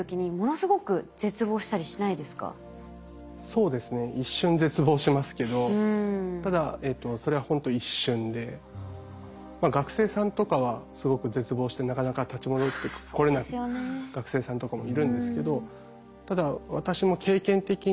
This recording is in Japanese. そうですね一瞬絶望しますけどただそれはほんと一瞬で学生さんとかはすごく絶望してなかなか立ち戻ってこれない学生さんとかもいるんですけど。